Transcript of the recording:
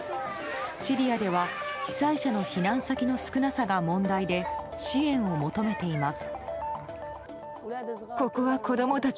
シリアでは被災者の避難先の少なさが問題で支援を求めています。